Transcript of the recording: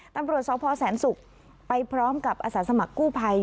ตำรวจสพแสนศุกร์ไปพร้อมกับอาสาสมัครกู้ภัย